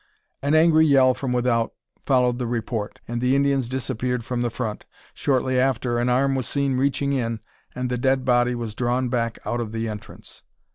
An angry yell from without followed the report, and the Indians disappeared from the front. Shortly after, an arm was seen reaching in, and the dead body was drawn back out of the entrance.